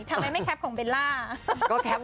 ทำไมไม่แคปของเบลล่า